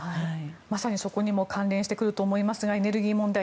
まさに、そこにも関連してくると思いますがエネルギー問題